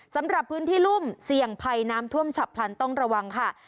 สำหรับพื้นที่รุ่มเสี่ยงภัยน้ำท่วมฉับพลันต้องระวังค่ะ